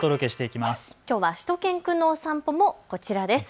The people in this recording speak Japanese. きょうはしゅと犬くんのお散歩もこちらです。